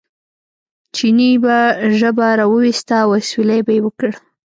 چیني به ژبه را وویسته او اسوېلی به یې وکړ.